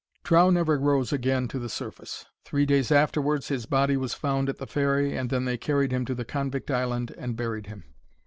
Trow never rose again to the surface. Three days afterwards his body was found at the ferry, and then they carried him to the convict island and buried him.